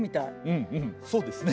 うんうんそうですね。